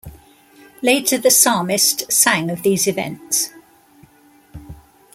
Later, the psalmist sang of these events.